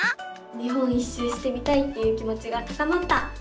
日本一周してみたいっていう気もちが高まった！